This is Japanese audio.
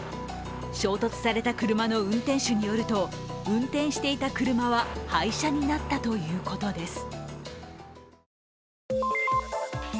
衝突された車の運転手によると、運転していた車は廃車になったということです。